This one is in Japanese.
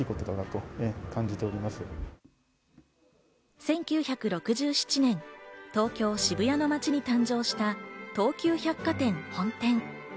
１９６７年、東京・渋谷の街に誕生した、東急百貨店本店。